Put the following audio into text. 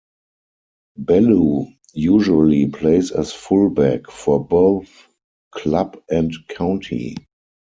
Bellew usually plays as full back for both club and county.